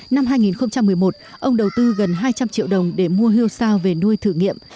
năm hai nghìn một mươi một ông đầu tư gần hai trăm linh triệu đồng để mua hưu sao về nuôi thử nghiệm